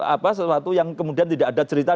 apa sesuatu yang kemudian tidak ada cerita